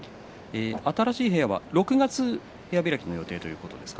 新しい部屋は６月部屋開きの予定ということですか。